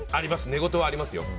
寝言はありますね。